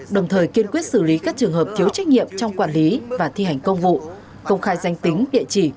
đồng thời kiên quyết xử lý các trường hợp thiếu trách nhiệm trong quản lý và thi hành công vụ công khai danh tính địa chỉ